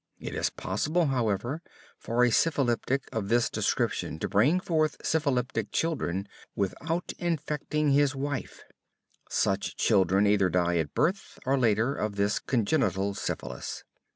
It is possible, however, for a syphilitic of this description to bring forth syphilitic children, without infecting his wife. Such children either die at birth, or later, of this congenital syphilis.